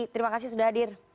terima kasih sudah hadir